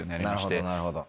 なるほどなるほど。